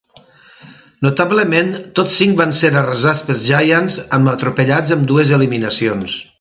Notablement, tots cinc van ser arrasats pels Giants amb atropellats amb dues eliminacions.